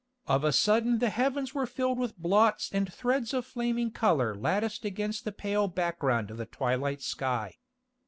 Of a sudden the heavens were filled with blots and threads of flaming colour latticed against the pale background of the twilight sky.